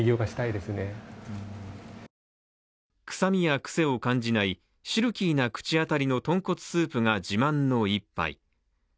臭みやくせを感じない、シルキーな口当たりの豚骨スープが自慢の１杯。